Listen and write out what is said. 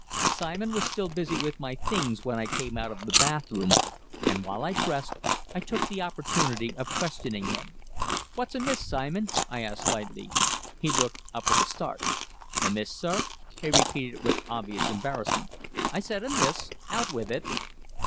Simon was still busy with my things when I came out of the bathroom, and, while I dressed, I took the opportunity of questioning him. "What's amiss, Simon?" I asked lightly. He looked up with a start. "Amiss, sir?" he repeated, with obvious embarrassment. "I said 'amiss.' Out with it."